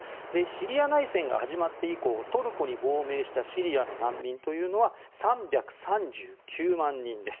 シリア内戦が始まって以降トルコに亡命した難民の数は３３９万人です。